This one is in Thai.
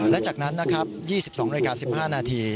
และจากนั้นนะครับ๒๒นาฬิกา๑๕นาที